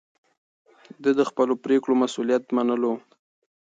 ده د خپلو پرېکړو مسووليت منلو.